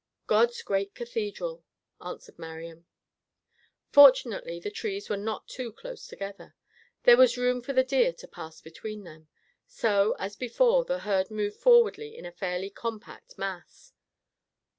"God's great cathedral," answered Marian. Fortunately the trees were not too close together. There was room for the deer to pass between them. So, as before, the herd moved forward in a fairly compact mass.